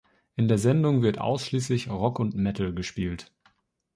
In der Sendung wird ausschließlich Rock und Metal gespielt.